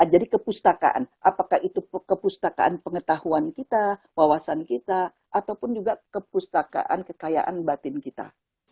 jadi kepustakaan apakah itu kepustakaan pengetahuan kita wawasan kita ataupun juga kepustakaan kekayaan batin kita